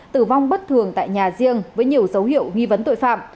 tử vong bất thường tại nhà riêng với nhiều dấu hiệu nghi vấn tội phạm